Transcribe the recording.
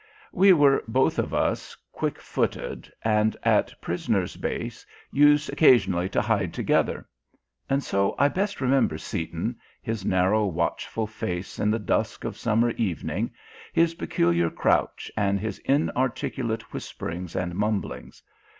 We were both of us quick footed, and at Prisoner's Base used occasionally to hide together. And so I best remember Seaton his narrow watchful face in the dusk of summer evening; his peculiar crouch, and his inarticulate whisperings and mumblings.